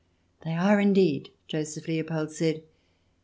" They are, indeed," Joseph Leopold said.